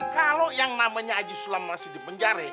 kalo yang namanya aji sulam masih di penjara